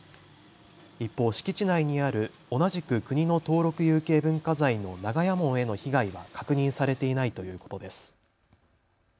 一方、敷地内にある同じく国の登録有形文化財の長屋門への被害は確認されていないということです。